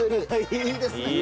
いいですね。